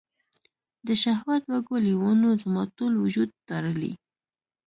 د شهوت وږو لیوانو، زما ټول وجود داړلي